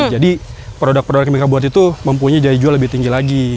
jadi produk produk yang mereka buat itu mempunyai jaya jual lebih tinggi lagi